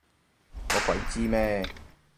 我鬼知咩？